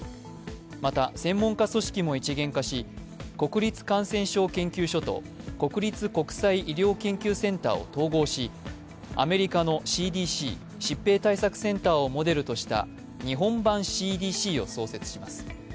また専門家組織も一元化し国立感染症研究所と国立国際医療研究センターを統合しアメリカのＣＤＣ＝疾病対策センターをモデルとした日本版ＣＤＣを創設します。